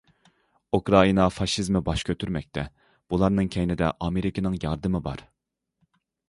ئۇكرائىنا فاشىزمى باش كۆتۈرمەكتە، بۇلارنىڭ كەينىدە ئامېرىكىنىڭ ياردىمى بار.